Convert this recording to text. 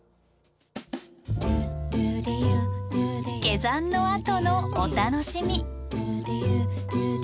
下山のあとのお楽しみ。